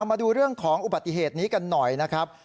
มาดูเรื่องของอุบัติเหตุนี้กันหน่อยนะครับ